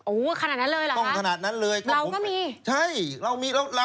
โอ้โหขนาดนั้นเลยเหรอคะ